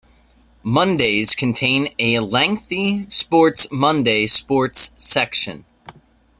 Mondays contain a lengthy "SportsMonday" Sports section.